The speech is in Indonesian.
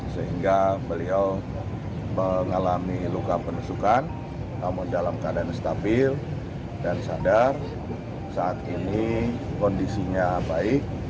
sehingga beliau mengalami luka penusukan namun dalam keadaan stabil dan sadar saat ini kondisinya baik